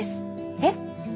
えっ？